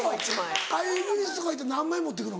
ああいうイギリスとか行って何枚持ってくの？